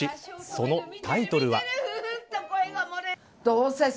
そのタイトルは。